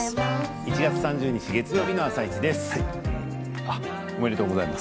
１月３０日月曜日の「あさイチ」です。